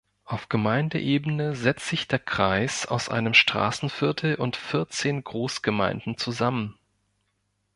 Auf Gemeindeebene setzt sich der Kreis aus einem Straßenviertel und vierzehn Großgemeinden zusammen.